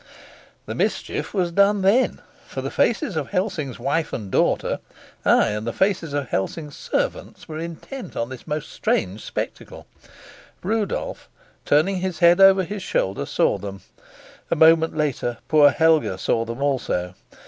The mischief was done then, for the faces of Helsing's wife and daughter, ay, and the faces of Helsing's servants, were intent on this most strange spectacle. Rudolf, turning his head over his shoulder, saw them; a moment later poor Helga saw them also.